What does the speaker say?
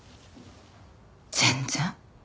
全然。